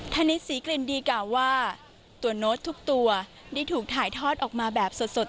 ธนิษฐศรีกลิ่นดีกล่าวว่าตัวโน้ตทุกตัวได้ถูกถ่ายทอดออกมาแบบสด